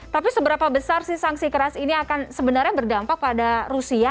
tapi seberapa besar sih sanksi keras ini akan sebenarnya berdampak pada rusia